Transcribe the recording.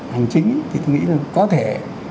hành chính thì tôi nghĩ là có thể